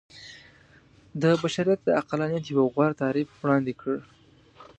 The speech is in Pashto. د بشريت د عقلانيت يو غوره تعريف وړاندې کړ.